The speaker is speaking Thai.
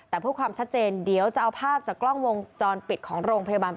แต่เพื่อความชัดเจนเดี๋ยวจะเอาภาพจากกล้องวงจรปิดของโรงพยาบาล